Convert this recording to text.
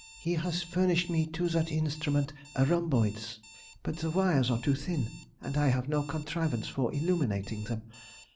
He has furnished me to that instrument a Rumboides, but the wires are too thin, and I have no contrivance for illuminating them.